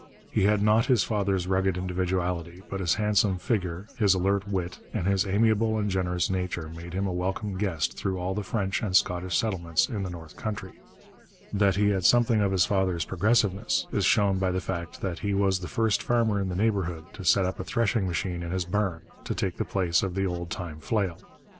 He had not his father's rugged individuality, but his handsome figure, his alert wit, and his amiable and generous nature made him a welcome guest through all the French and Scottish settlements in the north country. That he had something of his father's progressiveness is shown by the fact that he was the first farmer in the neighbourhood to set up a threshing machine in his barn, to take the place of the old time flail.